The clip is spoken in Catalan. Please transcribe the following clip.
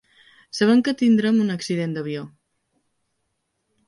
Sabem que tindrem un accident d'avió.